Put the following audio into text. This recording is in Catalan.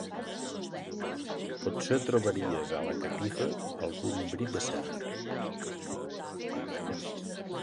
Potser trobaries, a la catifa, algun bri de cendra.